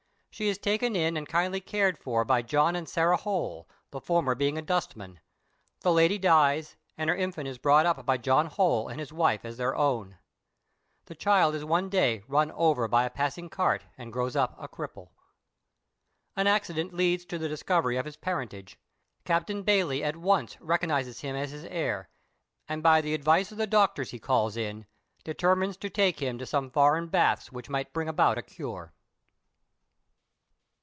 She is taken in and kindly cared for by John and Sarah Holl, the former being a dustman. The lady dies, and her infant is brought up by John Holl and his wife as their own. The child is one day run over by a passing cart and grows up a cripple. An accident leads to the discovery of his parentage. Captain Bayley at once recognizes him as his heir, and by the advice of the doctors he calls in determines to take him to some foreign baths which might bring about a cure.